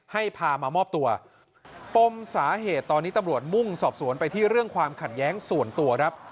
ให้พามามอบตัวปมสาเหตุตอนนี้ตำรวจมุ่งสอบสวนไปที่เรื่องความขัดแย้งส่วนตัวครับ